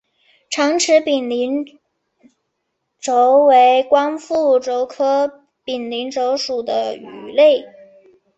长齿柄鳞鲷为光腹鲷科柄鳞鲷属的鱼类。